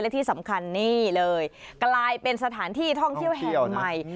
และที่สำคัญนี่เลยกลายเป็นสถานที่ท่องเที่ยวแห่งใหม่